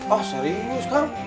oh serius bang